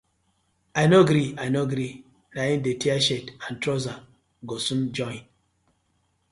I no gree, I no gree, na im dey tear shirt and trouser go soon join.